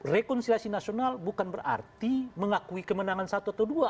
rekonsiliasi nasional bukan berarti mengakui kemenangan satu atau dua